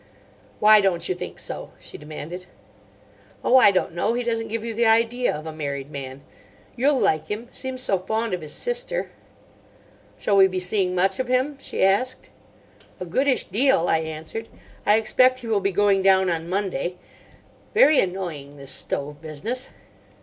"Why don't you think so?" she demanded. "Oh, I don't know. He doesn't give you the idea of a married man. You'll like him. Seems so fond of his sister." "Shall we be seeing much of him?" she asked. "A goodish deal," I answered. "I expect he will be going down on Monday. Very annoying, this stove business."